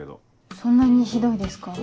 そんなにひどいですか。